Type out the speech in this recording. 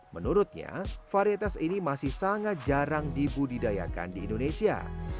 menurutnya varietas ini masih sangat jarang dibudidayakan di indonesia